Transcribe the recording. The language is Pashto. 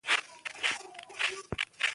ډيپلومات د نړېوالو پروتوکولونو تابع وي.